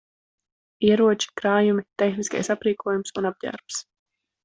Ieroči, krājumi, tehniskais aprīkojums un apģērbs.